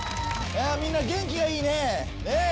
みんな元気がいいね！ねぇ。